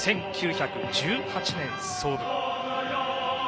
１９１８年創部。